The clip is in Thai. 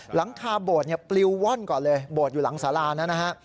หลังคาโบดเนี่ยปลิวว่อนก่อนเลยโบดอยู่หลังสารานะฮะ